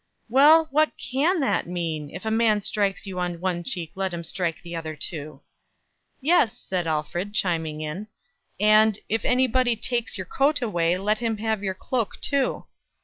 "Well, but what can that mean 'If a man strikes you on one cheek, let him strike the other too?'" "Yes," said Alfred, chiming in, "and, 'If anybody takes your coat away, give him your cloak too.'"